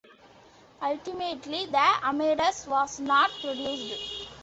Ultimately the "Amadeus" was not produced.